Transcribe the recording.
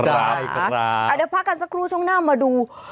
เดี๋ยวพักกันสักครู่ช่วงหน้ามาดู